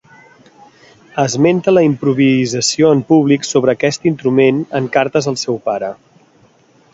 Esmenta la improvisació en públic sobre aquest instrument en cartes al seu pare.